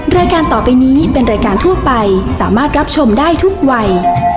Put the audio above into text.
รายการต่อไปนี้เป็นรายการทั่วไปสามารถรับชมได้ทุกวัย